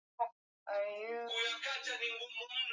Mwanamuke njo anafanyaka sana kaji ya mashamba